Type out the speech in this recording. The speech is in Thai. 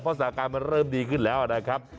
เพราะสถานการณ์มันเริ่มดีขึ้นแล้วนะครับ